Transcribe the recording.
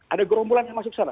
ada gerombolannya masuk sana